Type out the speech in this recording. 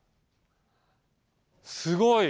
すごい！